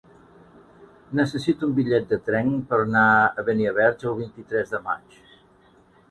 Necessito un bitllet de tren per anar a Beniarbeig el vint-i-tres de maig.